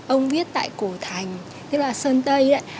ông viết tại cổ thành tức là sơn tây